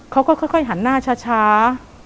เขาก็ค่อยหันหน้าช้า